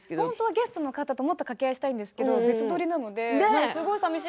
ゲストの方とは本当はもっと掛け合いしたいんですけど別撮りなんです。